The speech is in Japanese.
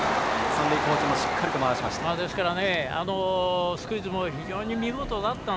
三塁コーチもしっかりと回しました。